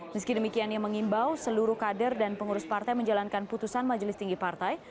meski demikian ia mengimbau seluruh kader dan pengurus partai menjalankan putusan majelis tinggi partai